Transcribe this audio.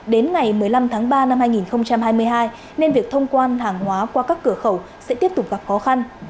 đến ngày một mươi năm tháng ba năm hai nghìn hai mươi hai nên việc thông quan hàng hóa qua các cửa khẩu sẽ tiếp tục gặp khó khăn